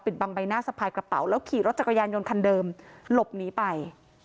บางใบหน้าสะพายกระเป๋าแล้วขี่รถจักรยานยนต์คันเดิมหลบหนีไป